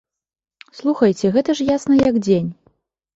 Слухайце, гэта ж ясна, як дзень.